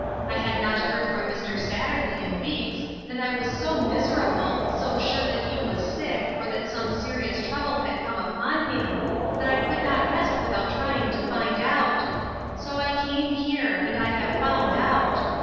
I had not heard from Mr. Satterley in weeks, and I A TROUBLESOME " VOUXG PERSON. I/I was so miserable, so sure that he was sick, or that some serious trouble had come upon him, that I could not rest without trying to find out ; so I came here ; and I have found out.